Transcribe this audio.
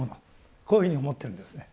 こういうふうに思ってるんですね。